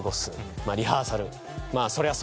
まあ「リハーサル」。